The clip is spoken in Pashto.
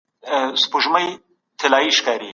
د رښتنيو پايلو لپاره بايد واقعيات جمع کړل سي.